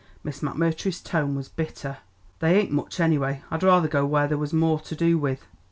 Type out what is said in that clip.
Miss McMurtry's tone was bitter. "They ain't much anyway. I'd rather go where there was more to do with."